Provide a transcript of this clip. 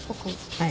はい。